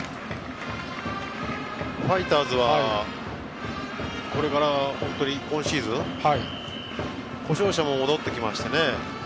ファイターズはこれから今シーズン故障者も戻ってきましたしね。